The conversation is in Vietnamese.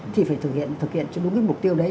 thì phải thực hiện đúng mục tiêu đấy